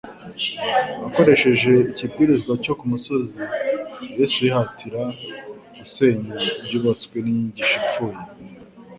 Akoresheje ikibwirizwa cyo ku musozi, Yesu yihatira gusenya ibyubatswe n'inyigisho ipfuye